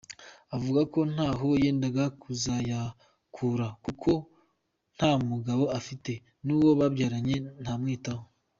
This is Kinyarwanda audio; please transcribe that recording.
Avuga ko ntaho yendaga kuzayakura kuko nta mugabo afite, n’uwo babyaranye ntamwitaho.